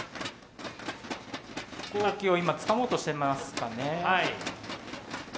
飛行機を今つかもうとしてますかね？